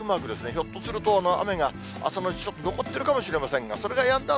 ひょっとすると、雨が朝のうち、ちょっと残ってるかもしれませんが、それがやんだ